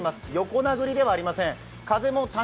横殴りではありません。